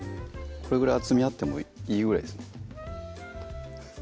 これぐらい厚みあってもいいぐらいですね